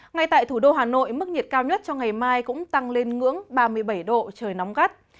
ngay tại thủ đô hà nội mức nhiệt cao nhất cho ngày mai cũng tăng lên ngưỡng ba mươi bảy độ trời nóng gắt